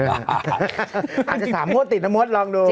อาจจะสามโมดติดนะโมดลองดู